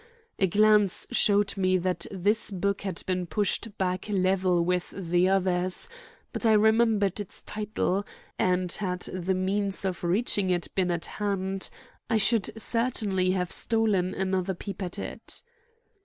A glance showed me that this book had been pushed back level with the others; but I remembered its title, and, had the means of reaching it been at hand, I should certainly have stolen another peep at it.